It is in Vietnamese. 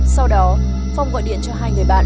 sau đó phong gọi điện cho hai người bạn